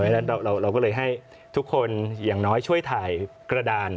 เราก็เลยให้ทุกคนอย่างน้อยช่วยถ่ายกระดาน